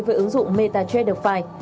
với ứng dụng metatraderfive